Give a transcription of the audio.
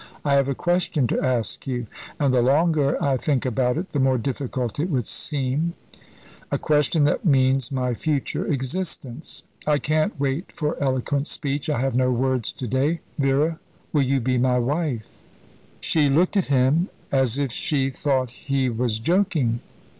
"I have a question to ask you, and the longer I think about it, the more difficult it will seem a question that means my future existence. I can't wait for eloquent speech. I have no words to day. Vera, will you be my wife?" She looked at him as if she thought he was joking.